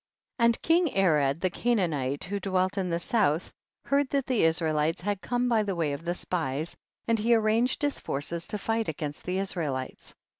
And king Arad the Canaanite, who dwell in the south, heard that the Israelites had come by the way of the spies, and he arranged his forces to fight against the Israelites.